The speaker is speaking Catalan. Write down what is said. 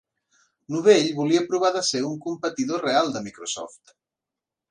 Novell volia provar de ser un competidor real de Microsoft.